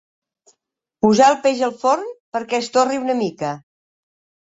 Posar el peix al forn perquè es torri una mica.